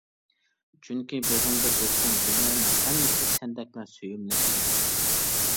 چۈنكى بېغىمدا ئۆسكەن گۈللەرنىڭ ھەممىسى سەندەكلا سۆيۈملۈك ئىدى.